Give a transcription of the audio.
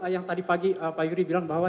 yang tadi pagi pak yuri bilang bahwa